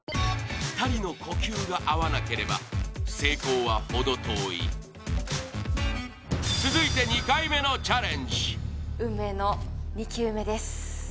２人の呼吸が合わなければ成功は程遠い続いて・運命の２球目です